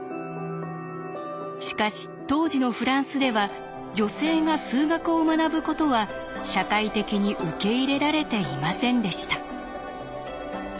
しかし当時のフランスでは女性が数学を学ぶことは社会的に受け入れられていませんでした。